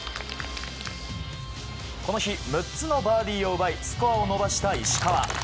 この日６つのバーディーを奪いスコアを伸ばした石川。